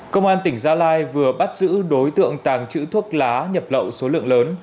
công an tỉnh gia lai vừa bắt giữ đối tượng tàng trữ thuốc lá nhập lậu số lượng lớn